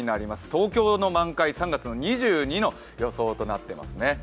東京の満開、３月２２日の予想となっています。